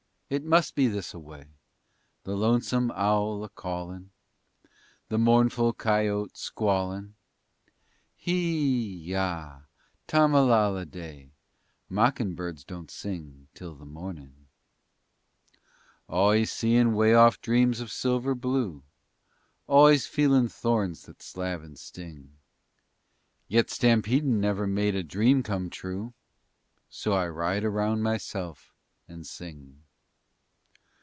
It must be this away _ The lonesome owl a callin', The mournful coyote squallin'. Hee ya, tammalalleday! Mockin birds don't sing until the mornin'. Always seein' 'wayoff dreams of silver blue, Always feelin' thorns that slab and sting. Yet stampedin' never made a dream come true, So I ride around myself and sing.